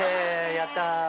やった！